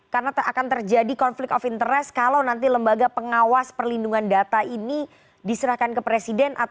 karena akan terjadi konflik of interest kalau nanti lembaga pengawas perlindungan data ini diserahkan ke presiden